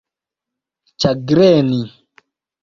ĉagreni